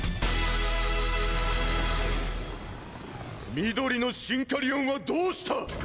緑のシンカリオンはどうした！？